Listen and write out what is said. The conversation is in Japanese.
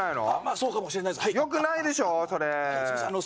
そうかもしれないです